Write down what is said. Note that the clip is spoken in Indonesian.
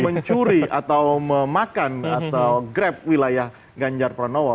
mencuri atau memakan atau grab wilayah ganjar pranowo